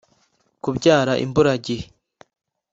kubyara imburagihe